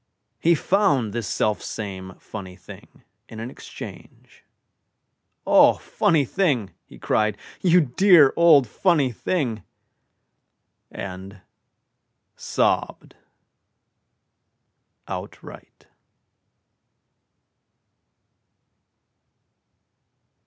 He found this selfsame funny thing In an exchange "O, funny thing!" He cried, "You dear old funny thing!" And Sobbed Outright.